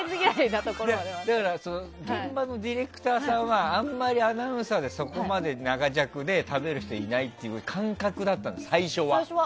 だから現場のディレクターさんはあんまりアナウンサーでそこまで長尺で食べる人いないという感覚だったんですよ、最初は。